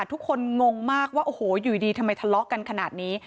งงมากว่าโอ้โหอยู่ดีทำไมทะเลาะกันขนาดนี้